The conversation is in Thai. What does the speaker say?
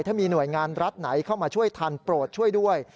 ถ้ามีหน่วยงานรัฐไหนเข้ามาช่วยทันโปรดช่วยด้วย